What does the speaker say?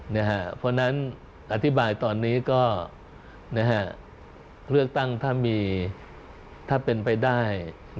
เพราะฉะนั้นอธิบายตอนนี้ก็เลือกตั้งถ้ามีถ้าเป็นไปได้